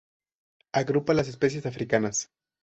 Agrupa las especies africanas.